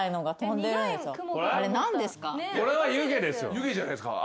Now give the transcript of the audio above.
湯気じゃないですか？